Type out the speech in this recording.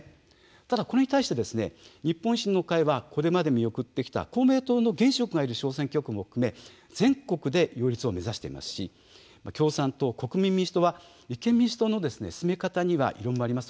ただ、これに対して日本維新の会は、これまで見送ってきた公明党の現職がいる小選挙区も含め全国で擁立を目指していますし共産党、国民民主党は立憲民主党の進め方に異論もあります。